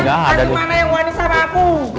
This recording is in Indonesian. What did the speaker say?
hantu mana yang kuhani sama aku